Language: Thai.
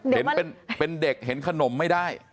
เห็นเป็นเด็กเห็นขนมไม่ได้